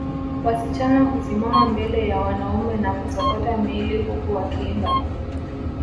Wasichana husimama mbele ya wanaume na kusokota miili huku wakiimba